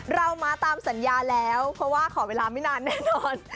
เรามาตามสัญญาแล้วเพราะว่าขอเวลาไม่นานแน่นอน